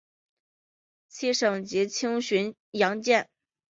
七省级轻巡洋舰。